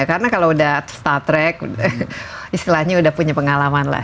karena kalo udah star trek istilahnya udah punya pengalaman lah